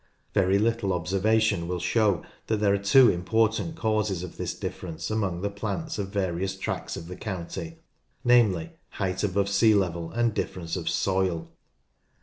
Very little obser vation will show that there are two important causes of this difference among the plants of various tracts ot the county, namely height above sea level and difference of soil.